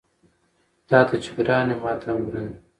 تاته چې ګران وي ماته هم ګران وي